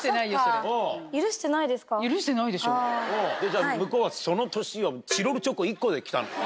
じゃ向こうはその年はチロルチョコ１個。